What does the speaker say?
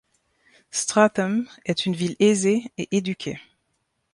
Stratham est une ville aisée et éduquée.